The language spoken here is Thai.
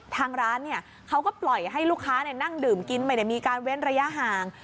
ทางร้านเขาก็ปล่อยให้ลูกค้านั่งดื่มกินไม่ได้มีการเว้นระยะห่าง